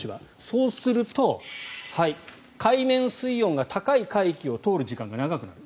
そうすると海面水温が高い海域を通る時間が長くなる。